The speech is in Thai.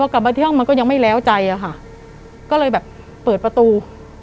กลับมาที่ห้องมันก็ยังไม่แล้วใจอะค่ะก็เลยแบบเปิดประตู